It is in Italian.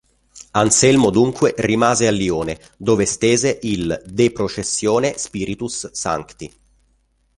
Anselmo dunque rimase a Lione, dove stese il "De processione spiritus sancti".